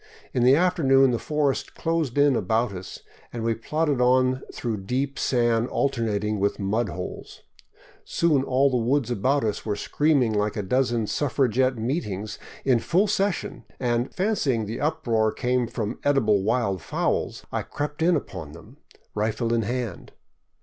In the afternoon the forest closed in about us, and we plodded on through deep sand alternating with mud holes. Soon all the woods about us were screaming like a dozen suffragette meetings in full session and, fancying the uproar came from edible wild fowls, I crept in upon them, rifle in hand.